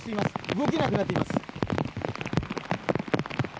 動けなくなっています。